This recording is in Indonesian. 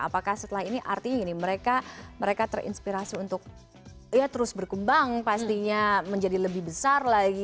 apakah setelah ini artinya gini mereka terinspirasi untuk ya terus berkembang pastinya menjadi lebih besar lagi